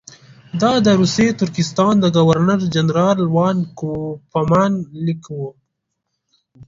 دا د روسي ترکستان د ګورنر جنرال وان کوفمان لیک وو.